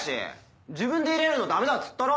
自分で入れるのダメだっつったろ！